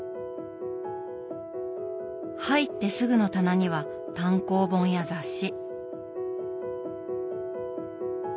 入ってすぐの棚には単行本や雑誌。